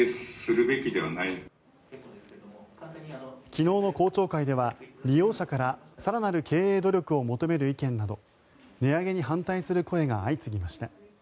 昨日の公聴会では利用者から更なる経営努力を求める意見など値上げに反対する声が相次ぎました。